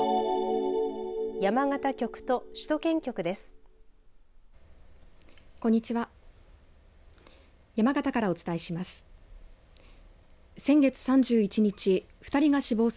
山形局と首都圏局です。